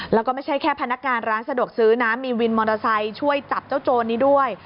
แล้วก็ไม่ใช่แค่พนักงานร้านสะดวกซื้อนะมีวินมอเตอร์ไซค์ช่วยจับเจ้าโจรนี้ด้วย